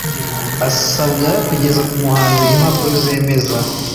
asabwa kugeza ku muhanzi impapuro zemeza